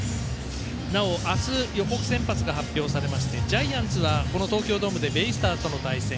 なお明日予告先発が発表されましてジャイアンツはこの東京ドームでベイスターズとの対戦。